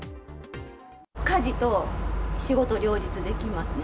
家事と仕事両立できますね。